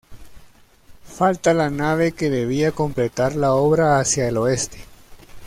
Falta la nave que debía completar la obra hacia al oeste.